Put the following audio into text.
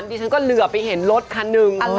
ดิฉันก็เหลือไปเห็นรถคันหนึ่ง